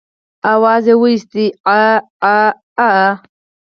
آواز يې واېست عاعاعا.